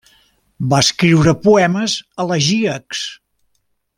Va escriure poemes elegíacs.